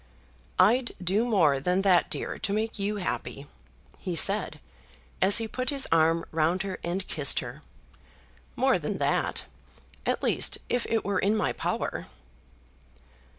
"I'd do more than that, dear, to make you happy," he said, as he put his arm round her and kissed her; "more than that, at least if it were in my power."